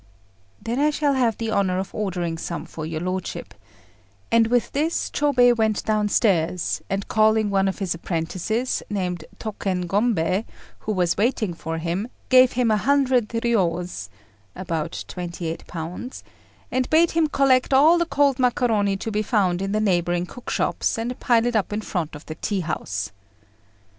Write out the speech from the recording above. ] "Then I shall have the honour of ordering some for your lordship;" and with this Chôbei went downstairs, and calling one of his apprentices, named Tôken Gombei, who was waiting for him, gave him a hundred riyos (about £28), and bade him collect all the cold macaroni to be found in the neighbouring cook shops and pile it up in front of the tea house.